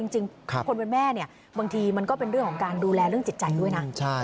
จริงคนเป็นแม่เนี่ยบางทีมันก็เป็นเรื่องของการดูแลเรื่องจิตใจด้วยนะ